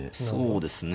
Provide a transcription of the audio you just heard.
そうですね